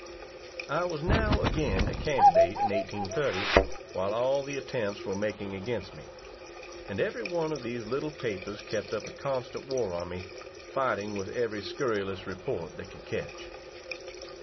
I was now again a candidate in 1830, while all the attempts were making against me; and every one of these little papers kept up a constant war on me, fighting with every scurrilous report they could catch.